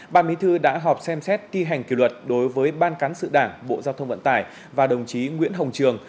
bà mỹ thư đã họp xem xét ti hành kiểu luật đối với ban cán sự đảng bộ giao thông vận tải và đồng chí nguyễn hồng trường